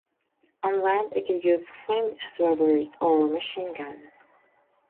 On land it could use flamethrowers or machine guns.